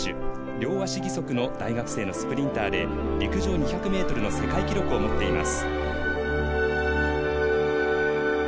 両足義足の大学生のスプリンターで陸上２００ｍの世界記録を持っています。